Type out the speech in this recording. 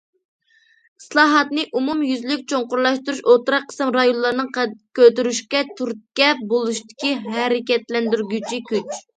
ئىسلاھاتنى ئومۇميۈزلۈك چوڭقۇرلاشتۇرۇش ئوتتۇرا قىسىم رايونلارنىڭ قەد كۆتۈرۈشىگە تۈرتكە بولۇشتىكى ھەرىكەتلەندۈرگۈچى كۈچ.